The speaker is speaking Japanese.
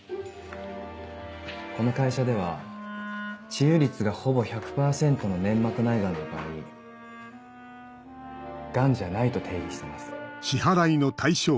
この会社では治癒率がほぼ１００％の粘膜内癌の場合癌じゃないと定義してます。